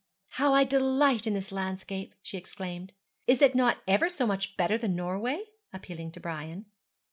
'How I delight in this landscape!' she exclaimed. 'Is it not ever so much better than Norway?' appealing to Brian.